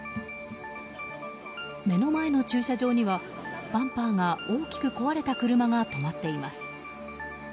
目の前の駐車場にはバンパーが大きく壊れた車が止まっています。